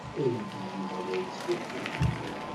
Aydi-inna la yettfuḥu!